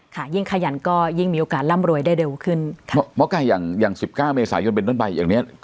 ค่ะยิ่งขยันก็ยิ่งมีโอกาสร่ำรวยได้เร็วขึ้นหมอกายอย่าง๑๙เมษายนเป็นต้นใบอย่างเนี้ย